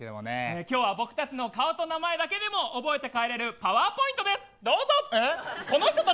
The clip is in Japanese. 今日は僕たちの顔と名前だけでも覚えて帰れるパワーポイントです。